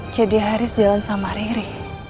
jadi haris jalan sama riri